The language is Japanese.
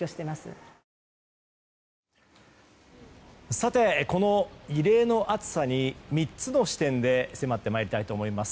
さて、この異例の暑さに３つの視点で迫ってまいりたいと思います。